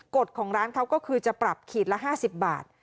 กฎของร้านเขาก็คือจะปรับขีดละ๕๐บาท